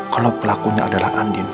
kalau pelakunya adalah andin